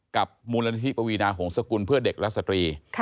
กับมูลนิธิปวีนาหงษกุลเพื่อเด็กและสตรี